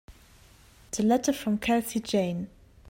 The letter from Kelsey Jane.